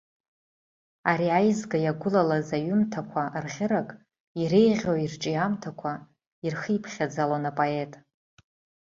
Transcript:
Ари аизга иагәылалаз аҩымҭақәа рӷьырак иреиӷьу ирҿиамҭақәа ирхиԥхьаӡалон апоет.